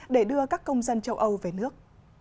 để đưa các công dân châu âu về nước